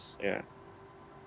kemudian sama di sai